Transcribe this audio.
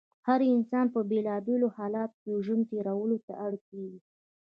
هر انسان په بېلا بېلو حالاتو کې ژوند تېرولو ته اړ کېږي.